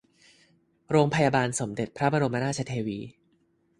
โรงพยาบาลสมเด็จพระบรมราชเทวี